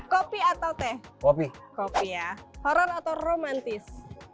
kopi atau teh kopi kopi ya horror atau romantis